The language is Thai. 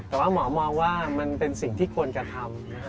แต่ว่าหมอมองว่ามันเป็นสิ่งที่ควรจะทำ